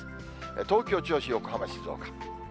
東京、銚子、横浜、静岡。